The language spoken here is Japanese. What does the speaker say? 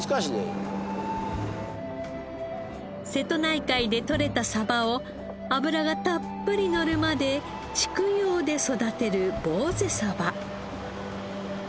瀬戸内海でとれたサバを脂がたっぷりのるまで蓄養で育てるぼうぜ。